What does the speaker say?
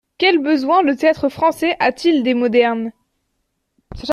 Quel besoin le Théâtre-Français a-t-il des modernes ?